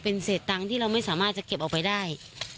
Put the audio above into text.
เป็นเศษตังค์ที่เราไม่สามารถจะเก็บออกไปได้